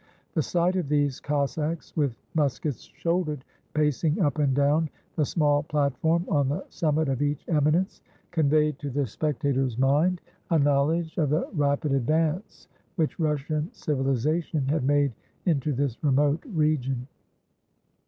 The sight of these Cossacks, with muskets shouldered, pacing up and down the small platform on the summit of each eminence, conveyed to the spectator's mind a knowledge of the rapid advance which Russian civilization had made into this remote region.